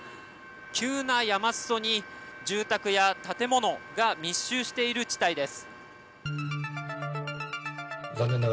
急な山裾に住宅や建物が密集している地帯です。